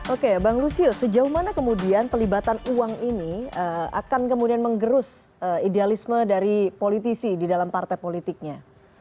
oke bang lusius sejauh mana kemudian pelibatan uang ini akan kemudian menggerus idealisme dari politisi di dalam partai politiknya